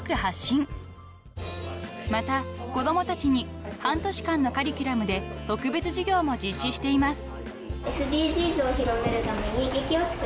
［また子供たちに半年間のカリキュラムで特別授業も実施しています］